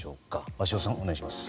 鷲尾さん、お願いします。